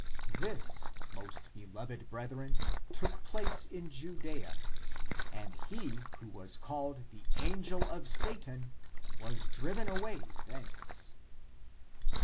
This, most beloved brethren, took place in Judea, and he who was called the angel of Satan was driven away thence.